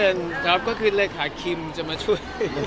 ครับก็คือเลขาคิมจะมาช่วย